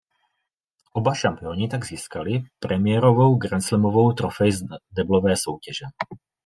Oba šampioni tak získali premiérovou grandslamovou trofej z deblové soutěže.